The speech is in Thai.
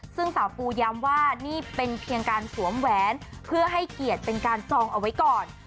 ซึ่งสาวปูย้ำว่านี่เป็นเพียงการสวมแหวนเพื่อให้เกียรติเป็นการจองเอาไว้ก่อน